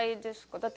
だって。